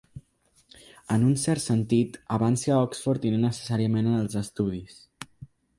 En un cert sentit, avanci a Oxford i no necessàriament en els estudis.